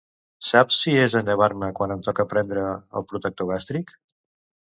Saps si és en llevar-me quan em toca prendre el protector gàstric?